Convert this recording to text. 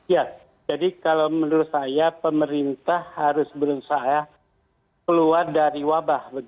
ya jadi kalau menurut saya pemerintah harus berusaha keluar dari wabah